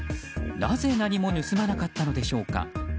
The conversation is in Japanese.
なぜ何も盗まなかったのでしょうか。